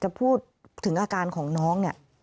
พูดถึงอาการของน้องเนี่ย